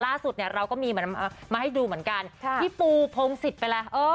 ล่าสุดเนี่ยเราก็มีเหมือนมาให้ดูเหมือนกันพี่ปูพงศิษย์ไปแล้วเออ